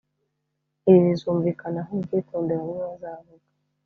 ibi bizumvikana nkubwikunde, bamwe bazavuga,